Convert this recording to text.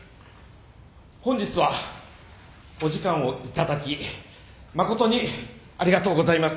本日はお時間をいただき誠にありがとうございます。